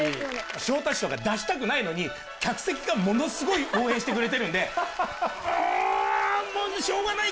昇太師匠が、出したくないのに、客席がものすごい応援してくれてるんで、うーん！